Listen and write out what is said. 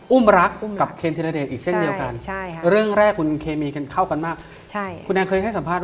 อุ่มรักกับเครนธีระเดงอีกเส้นเดียวกันเรื่องแรกคุณเคมีเข้ากันมากคุณแม่งเคยให้สัมภาษณ์